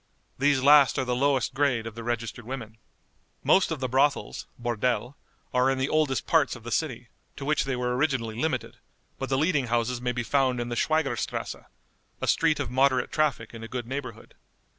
These last are the lowest grade of the registered women. Most of the brothels (bordelle) are in the oldest parts of the city, to which they were originally limited, but the leading houses may be found in the Schwieger strasse, a street of moderate traffic in a good neighborhood.